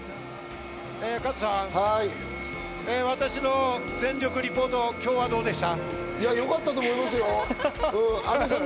加藤さん、私の全力リポート、今日はどうでした？